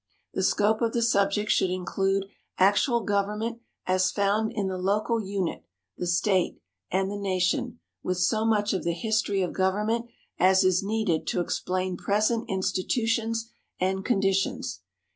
The scope of the subject should include actual government as found in the local unit, the State, and the nation, with so much of the history of government as is needed to explain present institutions and conditions.